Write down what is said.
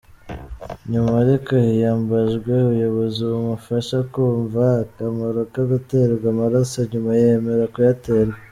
Nyuma ariko hiyambajwe ubuyobozi bumufasha kumva akamaro ko guterwa amaraso, nyuma yemera kuyaterwa.